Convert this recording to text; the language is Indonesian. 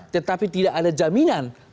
tetapi tidak ada jaminan bahwa akan bergenre